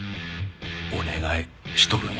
お願いしとるんや。